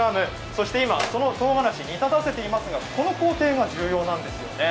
そして今、そのとうがらし煮立たせていますがこの工程が重要なんですよね。